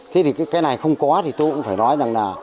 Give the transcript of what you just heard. thế thì cái này không có thì tôi cũng phải nói rằng là